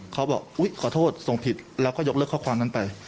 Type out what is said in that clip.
เขาบอกอุ๊ยขอโทษส่งผิดแล้วก็ยกเลิกข้อความนั้นไป